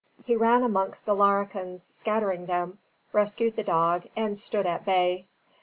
He ran amongst the Larrikins, scattered them, rescued the dog, and stood at bay.